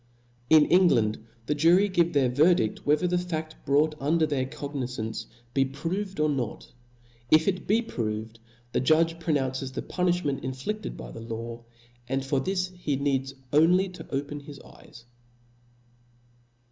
In England the jury give their verdidl whe ther the faft brought under their cognizance be proved or not; if it be proved, the judge pronounces the punilhment inflifted by the law, and for this he need only to open his eyes.